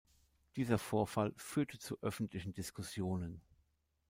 Dieser Vorfall führte zu öffentlichen Diskussionen.